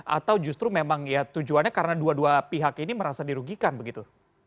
atau justru memang ya tujuannya karena dua dua pihak ini merasa dirugikan begitu